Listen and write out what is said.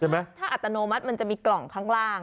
ไม่แน่จังถ้าอัตโนมัติจะมีกล่องข้างล่าง